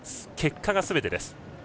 結果がすべてです。